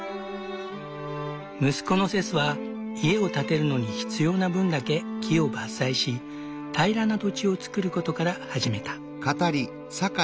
息子のセスは家を建てるのに必要な分だけ木を伐採し平らな土地をつくることから始めた。